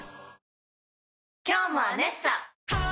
今日も「アネッサ」！